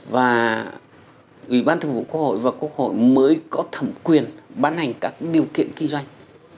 và ủy ban thường vụ quốc hội và quốc hội mới có thẩm quyền bán hành các điều kiện kinh doanh